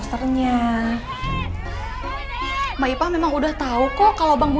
pendapat warga teh terpecah belam mpo